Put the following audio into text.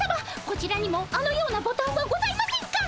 こちらにもあのようなボタンはございませんか？